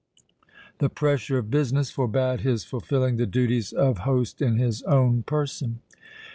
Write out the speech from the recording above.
The pressure of business forbade his fulfilling the duties of host in his own person.